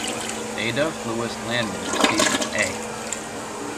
Ada Louise Landman received an A.